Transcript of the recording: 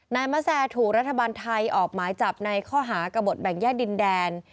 นายมะแซถูกรัฐบาลไทยออกหมายจับในข้อหากระบดแบ่งแยกดินแดน